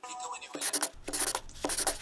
خوږې! درځم په هغې لارې چې ته ولاړې رانه